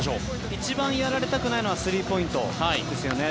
一番やられたくないのはスリーポイントですよね。